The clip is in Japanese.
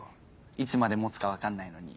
いつまで持つか分かんないのに。